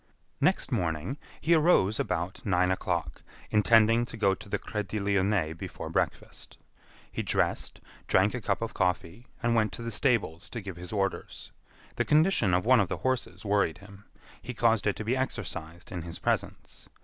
Next morning, he arose about nine o'clock, intending to go to the Crédit Lyonnais before breakfast. He dressed, drank a cup of coffee, and went to the stables to give his orders. The condition of one of the horses worried him. He caused it to be exercised in his presence.